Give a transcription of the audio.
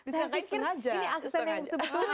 saya pikir ini aksen yang sebetulnya